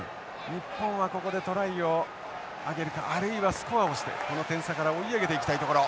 日本はここでトライを挙げるかあるいはスコアをしてこの点差から追い上げていきたいところ。